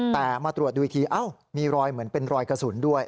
แต่มาตรวจดูอีกทีมีรอยเหมือนเป็นรอยกระสุนด้วย